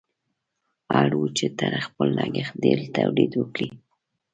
اړ وو چې تر خپل لګښت ډېر تولید وکړي.